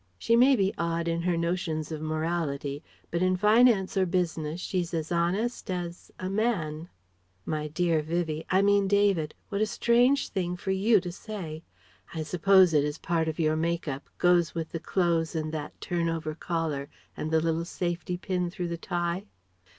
She may be odd in her notions of morality, but in finance or business she's as honest as a man." "My dear Vivie I mean David what a strange thing for you to say! I suppose it is part of your make up goes with the clothes and that turn over collar, and the little safety pin through the tie